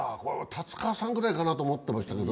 達川さんぐらいかなと思っていましたけど。